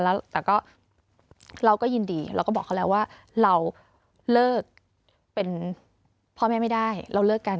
แล้วแต่ก็เราก็ยินดีเราก็บอกเขาแล้วว่าเราเลิกเป็นพ่อแม่ไม่ได้เราเลิกกัน